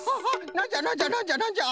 なんじゃなんじゃなんじゃなんじゃ！？